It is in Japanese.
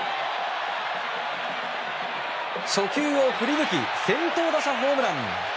初球を振り抜き先頭打者ホームラン！